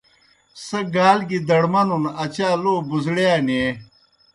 سہ گال گیْ دڑمنُن اچا لو بُزڑِیا نیں۔